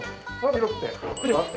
広くて。